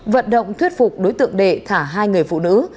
vận động thuyết phục đối tượng đệ thả hai người phụ nữ